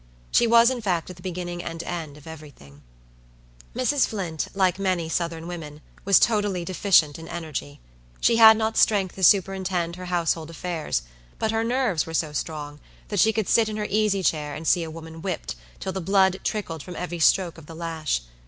She was, in fact, at the beginning and end of every thing. Mrs. Flint, like many southern women, was totally deficient in energy. She had not strength to superintend her household affairs; but her nerves were so strong, that she could sit in her easy chair and see a woman whipped, till the blood trickled from every stroke of the lash.